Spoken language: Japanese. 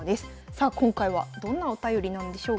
さあ今回はどんなお便りなんでしょうか。